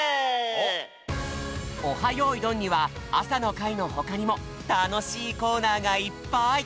よいどん」には朝の会のほかにもたのしいコーナーがいっぱい！